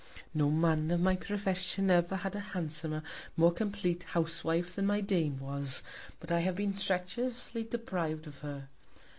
No Man of my Profession ever had a handsomer, more compleat Housewife, than my Dame was; but I have been treacherously depriv'd of her.